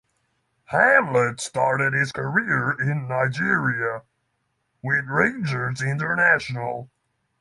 Hamlet started his career in Nigeria with Rangers International.